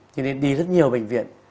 thế nên đi rất nhiều bệnh viện